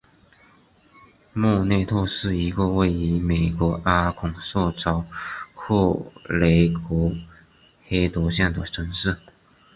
莫内特是一个位于美国阿肯色州克雷格黑德县的城市。